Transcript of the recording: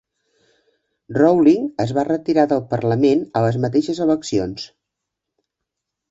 Rowling es va retirar del Parlament a les mateixes eleccions.